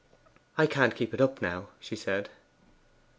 'I can't keep it up now,' she said.